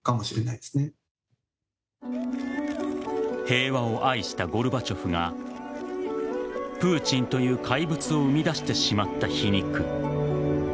平和を愛したゴルバチョフがプーチンという怪物を生み出してしまった皮肉。